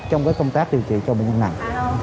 trong công tác điều trị cho bệnh nhân nặng